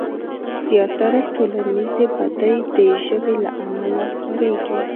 زياتره ټولنيزې بدۍ د ژبې له امله خورېږي.